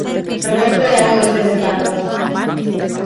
Roberto era un deses espazos.